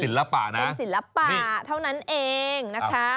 ศิลปะนะเป็นศิลปะเท่านั้นเองนะคะ